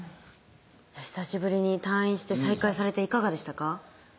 久しぶりに退院して再会されていかがでしたか？